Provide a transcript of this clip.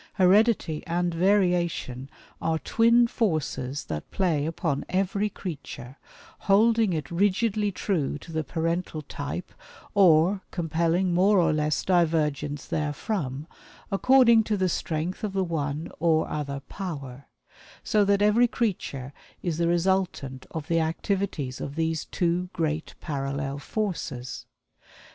Heredity and variation are twin forces that play upon every creature, holding it rigidly true to the parental type or compelling more or less divergence therefrom, according to the strength of the one or other power; so that every creature is the resultant of the activities of these two great parallel forces.